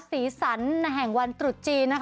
สีสันแห่งวันตรุษจีน